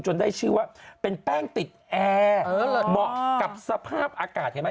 จนได้ชื่อว่าเป็นแป้งติดแอร์เหมาะกับสภาพอากาศ